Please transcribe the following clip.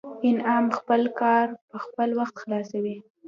انعام خپل کار پر وخت خلاصوي